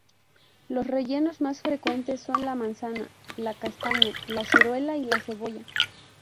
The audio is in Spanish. Los rellenos más frecuentes son la manzana, la castaña, la ciruela y la cebolla.